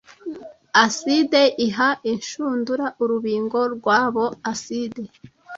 Acide iha inshundura urubingo rwabo Acide